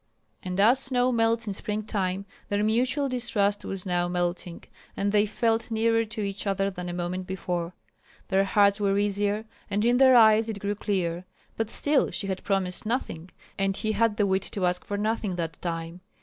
And as snow melts in spring time, their mutual distrust was now melting, and they felt nearer to each other than a moment before. Their hearts were easier, and in their eyes it grew clear. But still she had promised nothing, and he had the wit to ask for nothing that time.